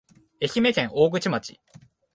愛知県大口町